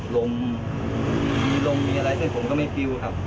ลมมีลมมีอะไรเส้นผมก็ไม่ฟิวครับ